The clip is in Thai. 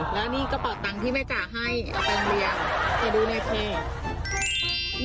และนี่กระเป๋าตังที่แม่จ๋าให้ไปโรงเรียน